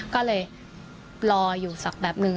ก็เลยรออยู่สักแบบนึง